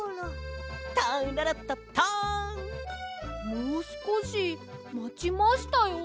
もうすこしまちましたよ！